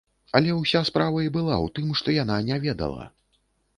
Але ўся справа і была ў тым, што яна не ведала.